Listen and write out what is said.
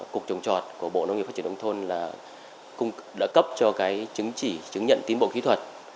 cục trồng trọt của bộ nông nghiệp phát triển đông thôn là cũng đã cấp cho cái chứng chỉ chứng nhận tiến bộ kỹ thuật